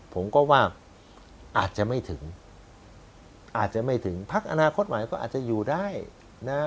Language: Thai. ผมก็ว่าอาจจะไม่ถึงอาจจะไม่ถึงพักอนาคตใหม่ก็อาจจะอยู่ได้นะ